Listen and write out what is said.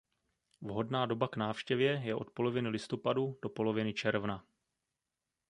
Vhodná doba k návštěvě je od poloviny listopadu do poloviny června.